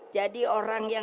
jadi orang yang